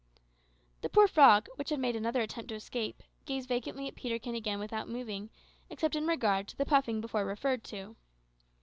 The poor frog, which had made another attempt to escape, gazed vacantly at Peterkin again without moving, except in regard to the puffing before referred to.